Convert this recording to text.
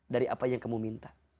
dari apa yang kamu minta